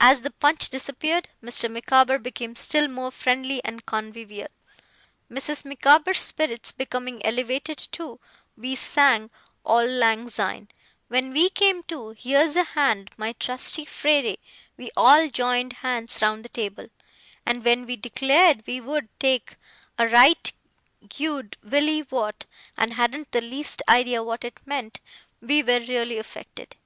As the punch disappeared, Mr. Micawber became still more friendly and convivial. Mrs. Micawber's spirits becoming elevated, too, we sang 'Auld Lang Syne'. When we came to 'Here's a hand, my trusty frere', we all joined hands round the table; and when we declared we would 'take a right gude Willie Waught', and hadn't the least idea what it meant, we were really affected.